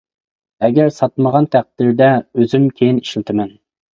ئەگەر ساتمىغان تەقدىردە ئۆزۈم كىيىن ئىشلىتىمەن.